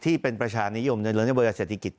ที่เป็นประชานิยมในโยบายเศรษฐกิจ